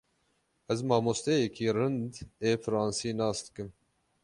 Ez mamosteyekî rind ê fransî nas dikim.